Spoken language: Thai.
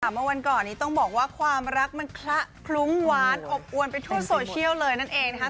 เมื่อวันก่อนนี้ต้องบอกว่าความรักมันคละคลุ้งหวานอบอวนไปทั่วโซเชียลเลยนั่นเองนะคะ